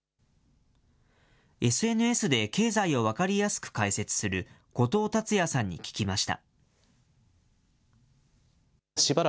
ＳＮＳで経済を分かりやすく解説する、後藤達也さんに聞きました。